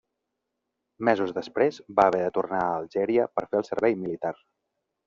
Mesos després, va haver de tornar a Algèria per fer el servei militar.